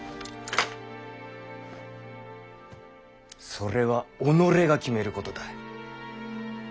それは己が決めることだ。